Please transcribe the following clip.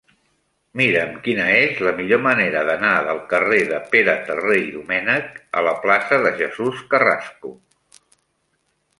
Mira'm quina és la millor manera d'anar del carrer de Pere Terré i Domènech a la plaça de Jesús Carrasco.